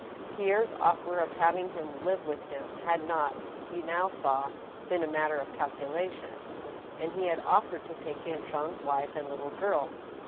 Pierre's offer of having him live with him had not, he now saw, been a matter of calculation, and he had offered to take in Jean's wife and little girl.